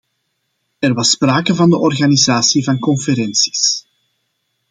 Er was sprake van de organisatie van conferenties.